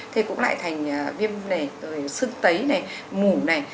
thế cũng lại thành viêm này xương tấy này mủ này